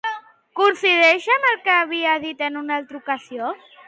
Coincideix amb el que havia dit en una altra ocasió?